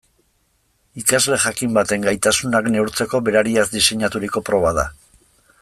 Ikasle jakin baten gaitasunak neurtzeko berariaz diseinaturiko proba da.